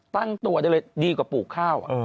ตั้งตัวได้เลยดีกว่าปลูกข้าว